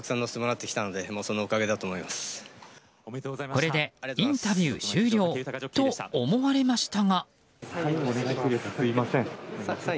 これでインタビュー終了と思われましたが。